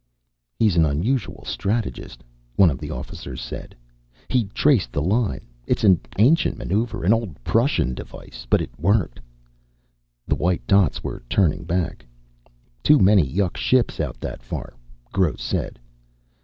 "He's an unusual strategist," one of the officers said. He traced the line. "It's an ancient maneuver, an old Prussian device, but it worked." The white dots were turning back. "Too many yuk ships out that far," Gross said.